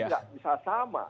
jadi tidak bisa sama